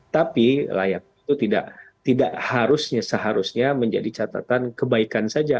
tapi layak itu tidak harusnya seharusnya menjadi catatan kebaikan saja